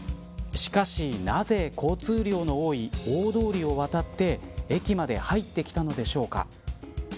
しかし、なぜ交通量の多い大通りを渡って駅まで入ってきたのでしょうか。